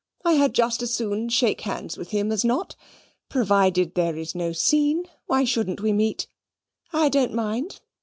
"I had just as soon shake hands with him as not. Provided there is no scene, why shouldn't we meet? I don't mind.